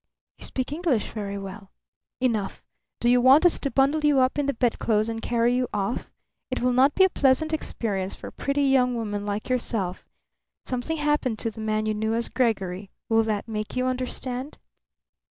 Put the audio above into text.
"You speak English very well." "Enough! Do you want us to bundle you up in the bedclothes and carry you off? It will not be a pleasant experience for a pretty young woman like yourself. Something happened to the man you knew as Gregory. Will that make you understand?"